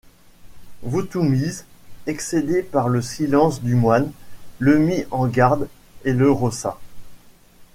Voutoumites, excédé par le silence du moine, le mit en garde et le rossa.